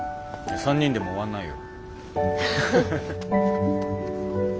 ３人でも終わんないよ。